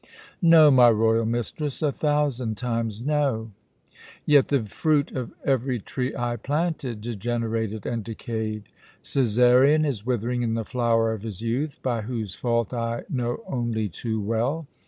"No, my royal mistress, a thousand times no!" "Yet the fruit of every tree I planted degenerated and decayed. Cæsarion is withering in the flower of his youth by whose fault I know only too well.